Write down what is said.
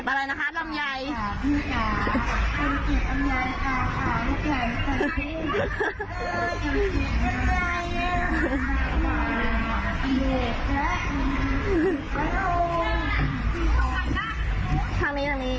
ภาเอกอะไรไม่มองไม่มองคนชมเลยอ่ะไม่มองไม่ยกเลยอ่ะโอ้ยเดี๋ยวเดี๋ยวเดี๋ยว